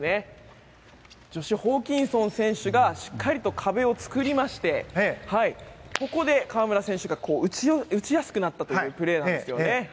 ジョシュ・ホーキンソン選手がしっかり壁を作ってここで河村選手が打ちやすくなったプレーなんですよね。